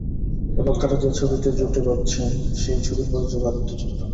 এবার তাঁরা যে ছবিতে জুটি বাঁধছেন, সেই ছবির প্রযোজকও আদিত্য চোপড়া।